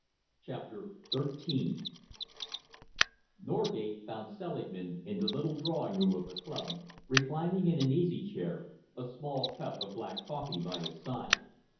CHAPTER XIII Norgate found Selingman in the little drawing room of the club, reclining in an easy chair, a small cup of black coffee by his side.